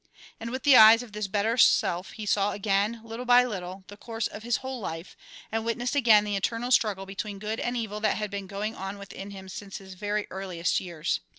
And with the eyes of this better self he saw again, little by little, the course of his whole life, and witnessed again the eternal struggle between good and evil that had been going on within him since his very earliest years.